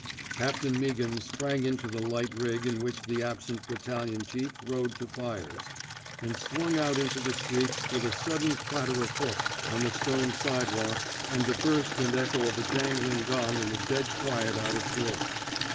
Captain Meaghan sprang into the light rig in which the absent battalion chief rode to fires, and swung out into the street with 6 THE ^^ RED INK SQUAD ^' a sudden clatter of hoofs on the stone side walk and the burst and echo of a jangling gong in the dead quiet out of doors.